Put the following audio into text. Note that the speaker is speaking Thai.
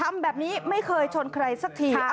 ทำแบบนี้ไม่เคยชนใครสักที